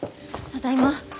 ただいま。